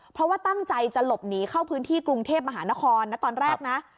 เพราะว่าตั้งใจจะหลบหนีเข้าพื้นที่กรุงเทพมหานครนะตอนแรกนะ